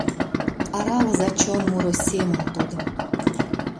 Аралыза чон муро семын тудым.